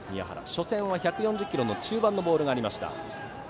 初戦は１４０キロの中盤のボールもありました。